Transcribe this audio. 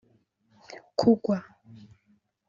kugwa